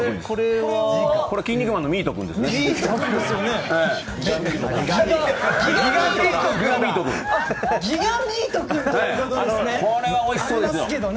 これはおいしそうですよ。